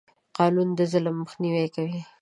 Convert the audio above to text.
قانون د ظلم مخنیوی کوي.